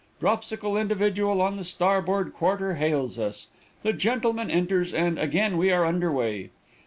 Dropsical individual on the starboard quarter hails us. The gentleman enters, and again we are under way.